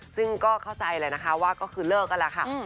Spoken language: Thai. ซึ่งก็เข้าใจแหละนะคะว่าก็คือเลิกกันแหละค่ะ